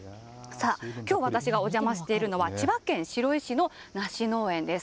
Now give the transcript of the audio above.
きょう私がお邪魔しているのは千葉県白井市の梨農園です。